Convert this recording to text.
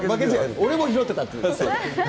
俺も拾ってたっていう。